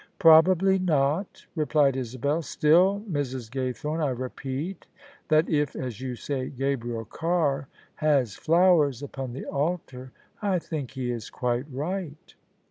" Probably not," replied Isabel. " Still, Mrs. Gaythome, I repeat that if, as you say, Gabriel Carr has flowers upon the Altar, I think he is quite right."